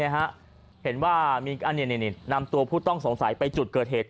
เห็นว่ามีการนำตัวผู้ต้องสงสัยไปจุดเกิดเหตุ